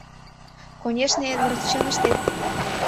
— Конечно, Эдвард, чын ыштет!